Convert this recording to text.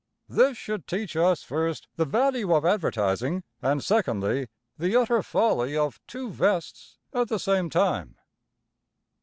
This should teach us, first, the value of advertising, and, secondly, the utter folly of two vests at the same time.